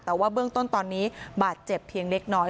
แต่ว่าเบื้องต้นตอนนี้บาดเจ็บเพียงเล็กน้อย